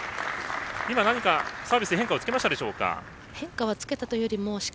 今、サービスで変化をつけましたでしょうか。